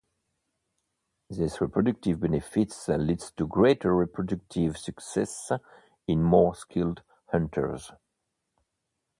These reproductive benefits lead to greater reproductive success in more skilled hunters.